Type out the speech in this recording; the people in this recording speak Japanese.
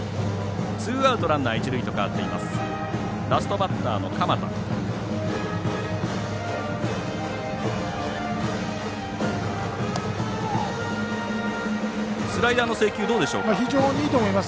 ツーアウトランナー、一塁と変わっています。